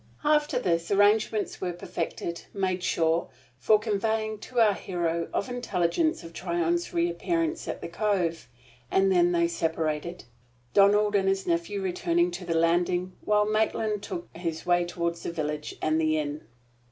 After this arrangements were perfected made sure for the conveying to our hero of intelligence of Tryon's reappearance at the Cove; and then they separated, Donald and his nephew returning to the landing, while Maitland took his way toward the village, and the inn.